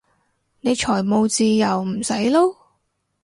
你財務自由唔使撈？